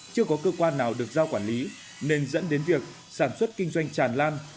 chưa có cơ quan nào được giao quản lý nên dẫn đến việc sản xuất kinh doanh tràn lan